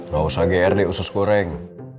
gak usah gr deh usus goreng